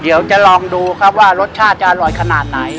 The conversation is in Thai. เดี๋ยวจะลองดูครับว่ารสชาติจะอร่อยขนาดไหน